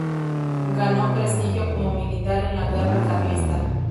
Ganó prestigio como militar en la Guerra Carlista.